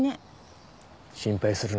心配するな。